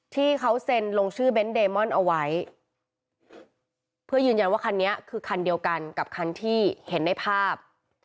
ที่เขาเซ็นลงชื่อเบนท์เดมอนเอาไว้เพื่อยืนยันว่าคันนี้คือคันเดียวกันกับคันที่เห็นในภาพ